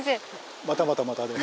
またまたまたで。